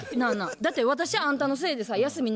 だって私あんたのせいでさ休みになってさ。